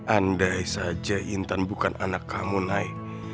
andai saja intan bukan anak kamu naik